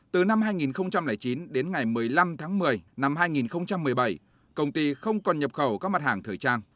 từ năm hai nghìn chín đến ngày một mươi năm tháng một mươi năm hai nghìn một mươi bảy công ty không còn nhập khẩu các mặt hàng thời trang